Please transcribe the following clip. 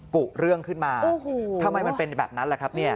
กุเรื่องขึ้นมาทำไมมันเป็นแบบนั้นล่ะครับเนี่ย